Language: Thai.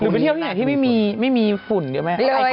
หรือไปเที่ยวที่ไหนที่ไม่มีฝุ่นก็ดีกว่าไหม